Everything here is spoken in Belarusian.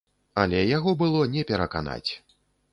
Але яго было не пераканаць.